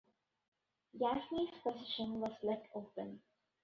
Gaffney's position was left open.